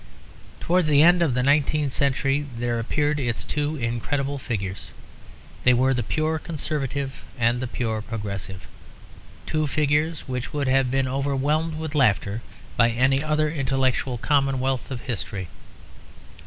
Towards the end of the nineteenth century there appeared its two incredible figures; they were the pure Conservative and the pure Progressive; two figures which would have been overwhelmed with laughter by any other intellectual commonwealth of history.